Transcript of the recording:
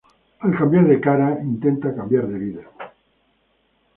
Al cambiar de cara, intenta cambiar de vida.